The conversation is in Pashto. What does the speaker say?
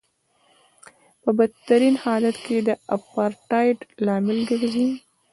په بدترین حالت کې د اپارټایډ لامل ګرځي.